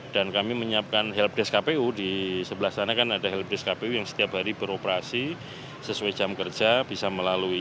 dan kami menyiapkan helpdesk kpu di sebelah sana kan ada helpdesk kpu yang setiap hari beroperasi sesuai jam kerja bisa melalui